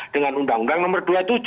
dengan undang undang nomor dua puluh tujuh